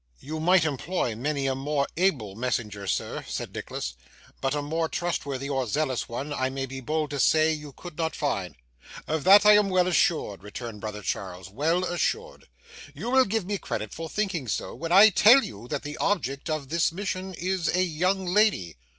'You might employ many a more able messenger, sir,' said Nicholas, 'but a more trustworthy or zealous one, I may be bold to say, you could not find.' 'Of that I am well assured,' returned brother Charles, 'well assured. You will give me credit for thinking so, when I tell you that the object of this mission is a young lady.